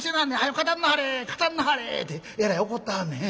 語んなはれ語んなはれ』ってえらい怒ってはんねん。